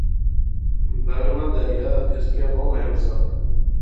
بغنا دریا ، اس کیا بہوں اہم سا